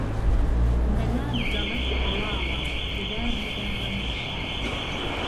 مهلا دهڵێ حهڵاڵه خودا بیدا رهنجی شانی